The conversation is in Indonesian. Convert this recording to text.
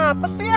nggak ada lagi